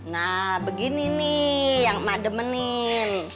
nah begini nih yang emak demenin